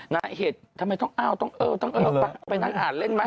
น้าเห็ดทำไมต้องอ้าวต้องเอ่อไปนั้นอ่านเล่นไหม